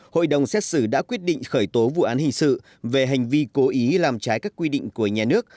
hội đồng xét xử đã quyết định khởi tố vụ án hình sự về hành vi cố ý làm trái các quy định của nhà nước